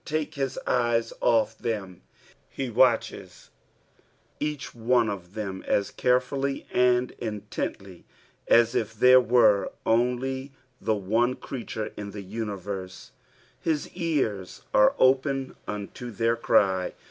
take his ejres off them ; he watches each one of them as carefully and ^ intently as if there were only that one creature in the universe. " Hit eart an open unto their ery."